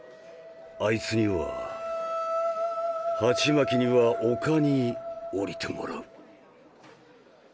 あいつにはハチマキには地球に降りてもらう。